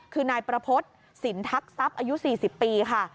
คือนายประพฤติสินทักทรัพย์อายุ๔๐ปีค่ะ